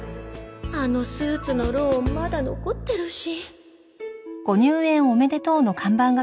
あのスーツのローンまだ残ってるし